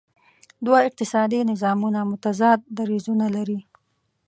دوه اقتصادي نظامونه متضاد دریځونه لري.